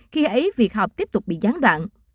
khi ấy việc học tiếp tục bị gián đoạn